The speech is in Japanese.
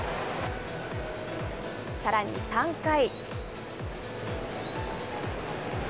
さらに３回。